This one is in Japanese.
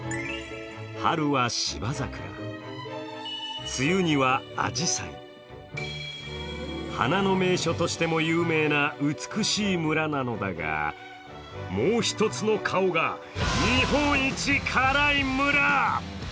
春は芝桜、梅雨にはあじさい花の名所として有名な美しい村なんだがもう一つの顔が、日本一辛い村。